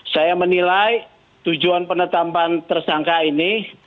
saya menilai tujuan penetapan tersangka ini